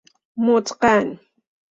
متقن